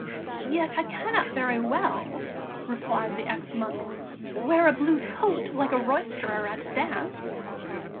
"Yet I cannot very well," replied the ex monk, "wear a blue coat, like a roisterer at a dance!"